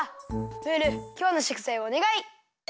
ムールきょうのしょくざいをおねがい！